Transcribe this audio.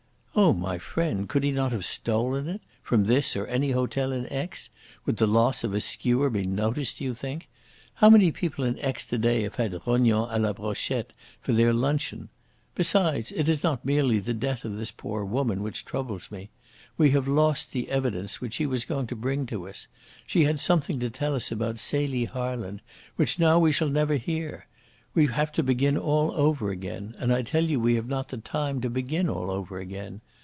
"Oh, my friend, could he not have stolen it? From this or from any hotel in Aix? Would the loss of a skewer be noticed, do you think? How many people in Aix to day have had rognons a la brochette for their luncheon! Besides, it is not merely the death of this poor woman which troubles me. We have lost the evidence which she was going to bring to us. She had something to tell us about Celie Harland which now we shall never hear. We have to begin all over again, and I tell you we have not the time to begin all over again.